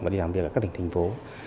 và đi làm việc ở các tỉnh thành phố